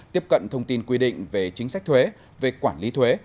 tiếp cận thông tin quy định về chính sách thuế về quản lý thuế